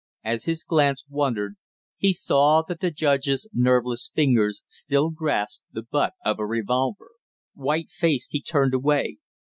As his glance wandered he saw that the judge's nerveless fingers still grasped the butt of a revolver. White faced he turned away.